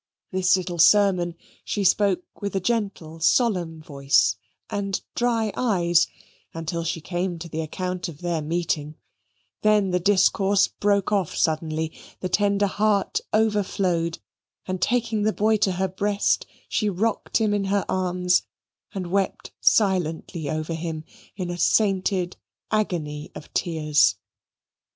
This little sermon she spoke with a gentle solemn voice, and dry eyes, until she came to the account of their meeting then the discourse broke off suddenly, the tender heart overflowed, and taking the boy to her breast, she rocked him in her arms and wept silently over him in a sainted agony of tears.